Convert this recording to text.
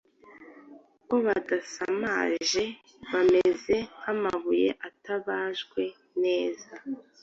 ko badasamaje bameze nk’amabuye atabajwe neza,